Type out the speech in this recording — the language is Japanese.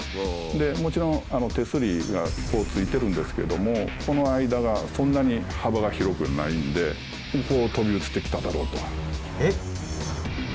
でもちろん手すりがこう付いてるんですけどもここの間がそんなに幅が広くないんでこう飛び移ってきただろうと。